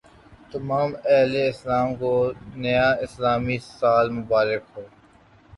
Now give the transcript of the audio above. تمام اہل اسلام کو نیا اسلامی سال مبارک ہو